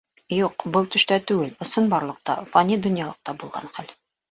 Юҡ, был төштә түгел, ысынбарлыҡта, фани донъялыҡта булған хәл!